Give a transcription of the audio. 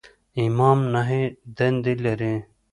امام نهه دندې لري.